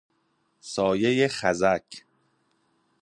سایه خزک